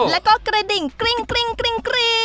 แล้วก็กระดิ่งกริ้ง